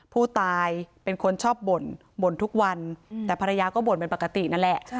ผู้ตายเป็นคนชอบบ่นบ่นทุกวันแต่ภรรยาก็บ่นเป็นปกตินั่นแหละ